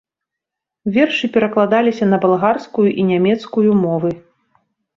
Вершы перакладаліся на балгарскую і нямецкую мовы.